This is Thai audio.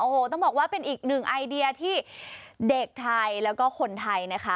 โอ้โหต้องบอกว่าเป็นอีกหนึ่งไอเดียที่เด็กไทยแล้วก็คนไทยนะคะ